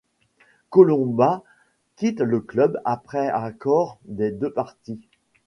Colomba quitte le club après accord des deux parties.